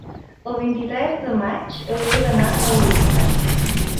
el vint-i-tres de maig hauria d'anar a Oristà.